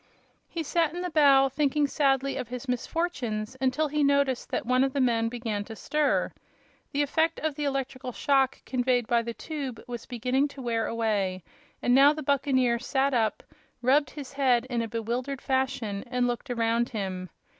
He sat in the bow, sadly thinking of his misfortunes, until he noticed that one of the men began to stir. The effect of the electric shock conveyed by the tube was beginning to wear away, and now the buccaneer sat up, rubbed his head in a bewildered fashion and looked around him.